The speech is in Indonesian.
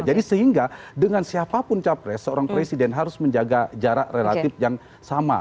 jadi sehingga dengan siapapun capres seorang presiden harus menjaga jarak relatif yang sama